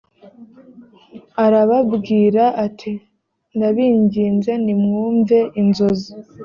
arababwira ati ndabinginze nimwumve inzozi